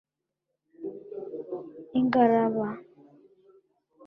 Ingaraba